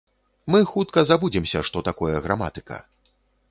Мы хутка забудземся, што такое граматыка.